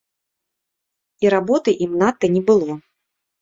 І работы ім надта не было.